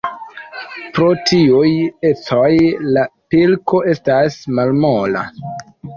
Pro tiuj ecoj la pilko estas malmola.